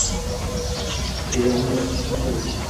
Serialni yaratish uchun kerak.